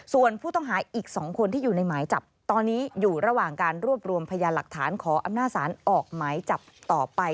ส่วนผู้ต้องหาอีก๒คนที่อยู่ในหมายจับตอนนี้อยู่ระหว่างการรวบรวมพยานหลักฐานขออำนาจศาลออกหมายจับต่อไป